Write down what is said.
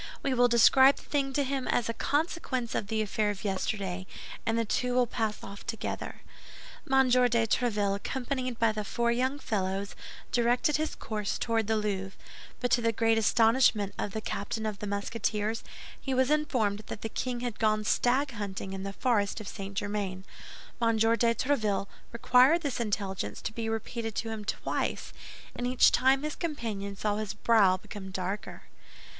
We will describe the thing to him as a consequence of the affair of yesterday, and the two will pass off together." M. de Tréville, accompanied by the four young fellows, directed his course toward the Louvre; but to the great astonishment of the captain of the Musketeers, he was informed that the king had gone stag hunting in the forest of St. Germain. M. de Tréville required this intelligence to be repeated to him twice, and each time his companions saw his brow become darker.